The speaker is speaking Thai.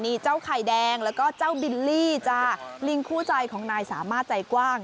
นี่เจ้าไข่แดงแล้วก็เจ้าบิลลี่จ้าลิงคู่ใจของนายสามารถใจกว้าง